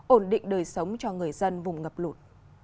ổn định đời sống cho người dân vùng ngập lụt